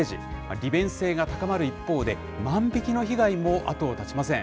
利便性が高まる一方で、万引きの被害も後を絶ちません。